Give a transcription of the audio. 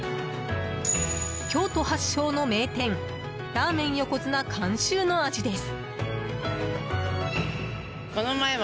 京都発祥の名店ラーメン横綱監修の味です。